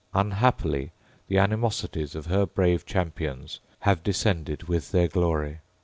Unhappily the animosities of her brave champions have descended with their glory.